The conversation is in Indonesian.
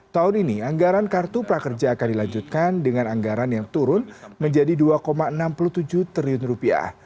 tahun ini anggaran kartu prakerja akan dilanjutkan dengan anggaran yang turun menjadi dua enam puluh tujuh triliun rupiah